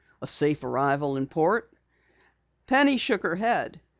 "A safe arrival in port?" Penny shook her head.